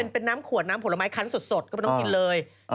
เป็นน้ำขวดน้ำผลไม้คันสดก็ไม่ต้องกินเลย